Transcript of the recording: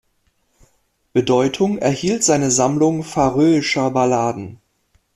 Bedeutung erhielt seine Sammlung färöischer Balladen.